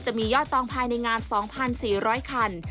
จะมียอดจองภายในงาน๒๔๐๐คัน